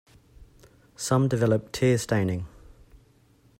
Some develop tear staining.